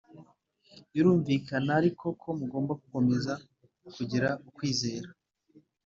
Birumvikana ariko ko mugomba gukomeza kugira ukwizera